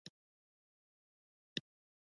د نوري په لاس بله شوې شمعه روښانه وساتي.